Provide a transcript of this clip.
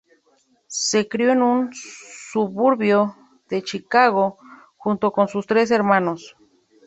Se crio en un suburbio de Chicago, junto con sus tres hermanos.